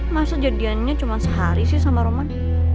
masa jadiannya cuma sehari sih sama roman